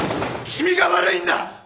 君が悪いんだ！